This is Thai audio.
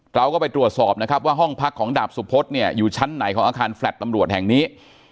เราก็ไปตรวจสอบนะครับว่าห้องพักของดาบสุพธเนี่ยอยู่ชั้นไหนของอาคารแฟลต์ตำรวจแห่งนี้